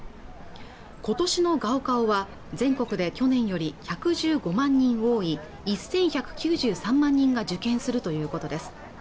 今年の合格は全国で去年より１１５万人多い１１９３万人が受験するということです